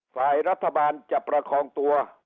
ฝ่ายรัฐบาลจะประคองตัว